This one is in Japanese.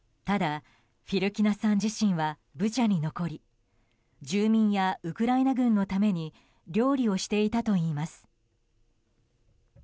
ただ、フィルキナさん自身はブチャに残り住民やウクライナ軍のために料理をしていたといいます。